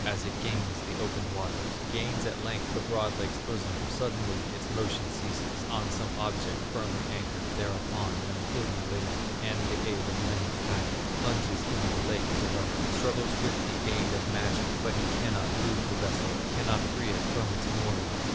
As it gains the open waters, Gains at length the broad lake's bosom, Suddenly its motion ceases, On some object firmly anchored. Thereupon young Ilmarinen, With the aid of Lemminkainen, Plunges in the lake the rudder, Struggles with the aid of magic; But he cannot move the vessel, Cannot free it from its moorings.